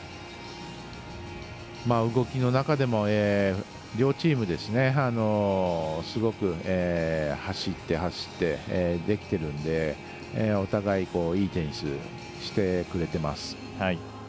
動きの中でも両チームすごく走って、走ってできてるんで、お互いいいテニスをしてくれています。